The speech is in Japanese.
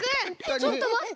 ちょっとまって！